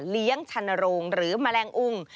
เลี้ยงชันโนรงหรือแมลงอุ่ง